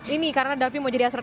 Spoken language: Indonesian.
ini karena davi mau jadi aset